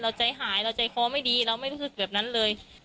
ใจหายเราใจคอไม่ดีเราไม่รู้สึกแบบนั้นเลย